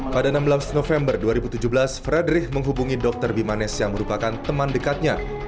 pada enam belas november dua ribu tujuh belas frederick menghubungi dr bimanes yang merupakan teman dekatnya